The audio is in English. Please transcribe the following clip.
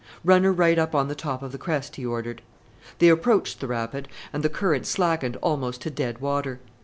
"Run her right on the top of the crest," he ordered. They approached the rapid, and the current slackened almost to dead water.